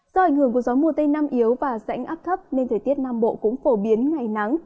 do ảnh hưởng của gió mùa tây nam yếu và rãnh áp thấp nên thời tiết nam bộ cũng phổ biến ngày nắng